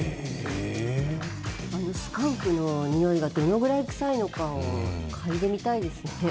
スカンクの臭いがどのぐらい臭いのかをかいでみたいですよね。